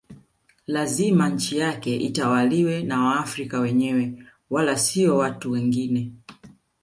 Lazima nchi yake itawaliwe na waafrika wenyewe wala sio watu wengine